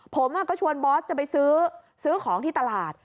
ผมก็ชวนบอสจะไปซื้อซื้อของที่ตลาด